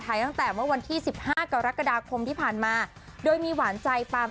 ตั้งแต่เมื่อวันที่สิบห้ากรกฎาคมที่ผ่านมาโดยมีหวานใจฟาร์ม